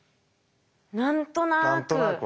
何となく。